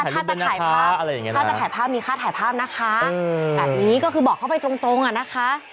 ถ้าถ่ายภาพนี้ค่ะถ่ายภาพนะคะนี่ก็คือบอกเข้าไปตรงอะนะคะ